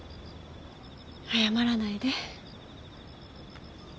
謝らないで。